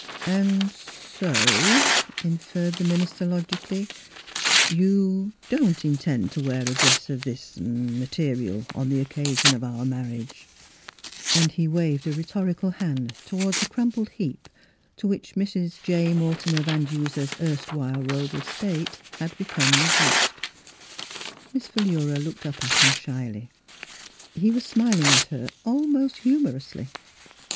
" And so," inferred the minister logic ally, " you don't intend to wear a dress of this — ah — material on the occasion of our marriage.'^ " Miss Fhilura's Wedding Gown And he waved a rhetorical hand toward the crumpled heap to which Mrs. J. Mor timer Van Duser's erstwhile robe of state had become reduced. Miss Philura looked up at him shyly. He was smiling at her almost humorously.